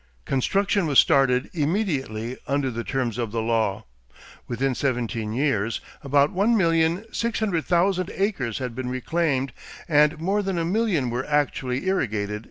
Construction was started immediately under the terms of the law. Within seventeen years about 1,600,000 acres had been reclaimed and more than a million were actually irrigated.